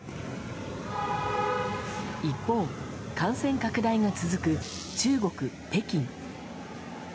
一方、感染拡大が続く中国・北京。